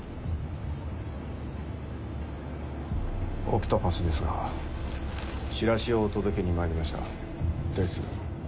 オクトパスですがチラシをお届けにまいりましたです。